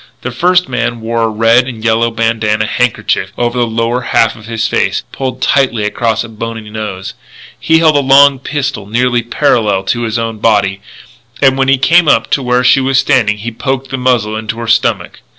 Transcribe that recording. The first man wore a red and yellow bandanna handkerchief over the lower half of his face, pulled tightly across a bony nose. He held a long pistol nearly parallel to his own body; and when he came up to where she was standing he poked the muzzle into her stomach.